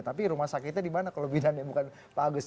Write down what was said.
tapi rumah sakitnya di mana kalau bidannya bukan pak agus